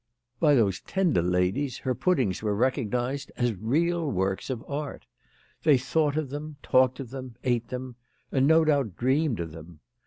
By those Tendel ladies her puddings were recognised as real works of art. They thought of them, talked of them, ate them, and no doubt dreamed of them.